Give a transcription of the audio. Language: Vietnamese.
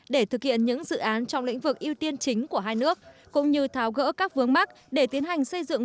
để thực hiện những dự án trong lĩnh vực ưu tiên chính của hai nước cũng như tháo gỡ các vướng mắt để tiến hành xây dựng